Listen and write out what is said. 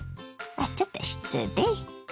あちょっと失礼。